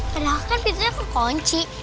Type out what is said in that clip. padahal kan pintunya aku kunci